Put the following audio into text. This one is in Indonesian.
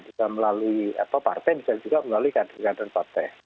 bisa melalui partai bisa juga melalui kader kader partai